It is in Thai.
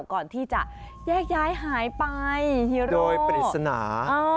ก่อนที่จะแยกย้ายหายไปโดยปริศนา